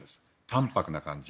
淡泊な感じ。